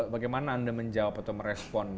bagaimana anda menjawab atau merespon